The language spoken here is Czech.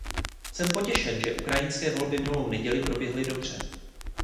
Jsem potěšen, že se ukrajinské volby minulou neděli proběhly dobře.